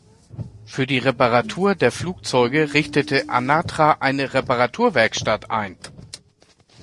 Für die Reparatur der Flugzeuge richtete Anatra eine Reparaturwerkstatt ein.